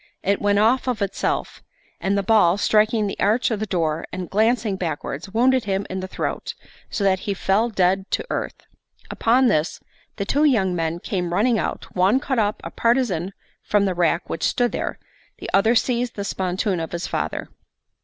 It went off of itself; and the ball, striking the arch of the door and glancing backwards, wounded him in the throat, so that he fell dead to earth. Upon this the two young men came running out; one caught up a partisan from the rack which stood there, the other seized the spontoon of his father.